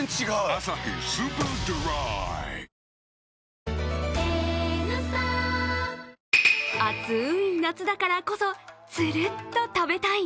「アサヒスーパードライ」暑い夏だからこそ、つるっと食べたい。